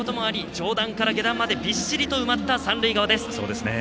上段から下段までびっしりと埋まった三塁側です。